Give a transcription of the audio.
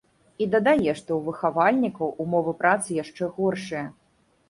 І дадае, што ў выхавальнікаў умовы працы яшчэ горшыя.